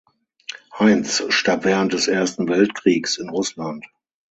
Hainz starb während des Ersten Weltkriegs in Russland.